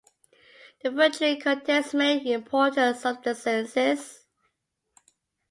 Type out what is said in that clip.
The filtrate contains many important substances.